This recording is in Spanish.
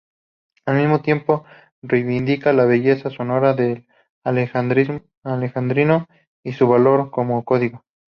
Al mismo tiempo, reivindica la belleza sonora del alejandrino y su valor como código.